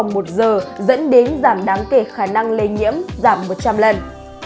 làm khô bề mặt trong vòng một giờ dẫn đến giảm đáng kể khả năng lây nhiễm giảm một trăm linh lần